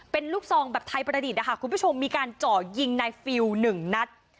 เป็นลูกซองแบบไทยประดิษฐ์นะคะคุณผู้ชมมีการเจาะยิงนายฟิล๑นัด